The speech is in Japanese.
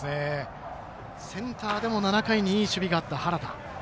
センターでも７回にいい守備があった原田。